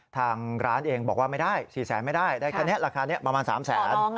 ทางร้านเองบอกว่าไม่ได้๔แสนไม่ได้ได้แค่นี้ราคานี้ประมาณ๓แสน